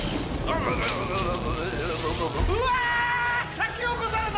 先を越された！